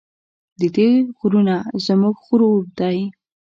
د دې غرونه زموږ غرور دی؟